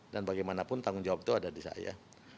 dan bagaimanapun tanggung jawab itu ada di saya